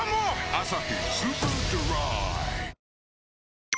「アサヒスーパードライ」